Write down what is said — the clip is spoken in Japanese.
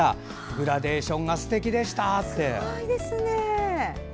グラデーションがすてきでしたって。